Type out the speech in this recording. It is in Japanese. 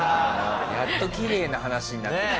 やっときれいな話になってきた。